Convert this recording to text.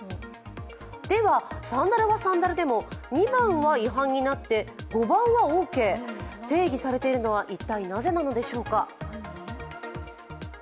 では、サンダルはサンダルでも２番は違反になって５番はオーケー、定義されているのは一体なぜなのでしょうか？